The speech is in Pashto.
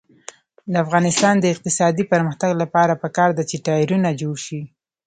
د افغانستان د اقتصادي پرمختګ لپاره پکار ده چې ټایرونه جوړ شي.